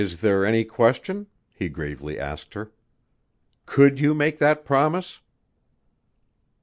"Is there any question?" he gravely asked her. "Could you make that promise?"